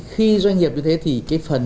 thì giúp giảm rất nhiều